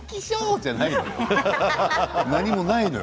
じゃないよ。